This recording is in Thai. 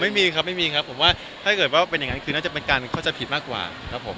ไม่มีครับไม่มีครับผมว่าถ้าเกิดว่าเป็นอย่างนั้นคือน่าจะเป็นการเข้าใจผิดมากกว่าครับผม